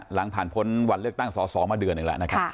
หลังผ่านพ้นวันเลือกตั้งสอสอมาเดือนหนึ่งแล้วนะครับ